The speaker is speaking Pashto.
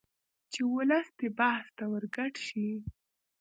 چې ولس دې بحث ته ورګډ شي